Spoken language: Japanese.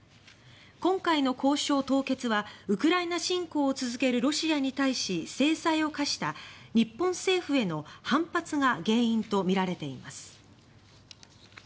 今回の交渉凍結はウクライナ侵攻を続けるロシアに対し制裁を科した日本政府への反発が原因とみられています。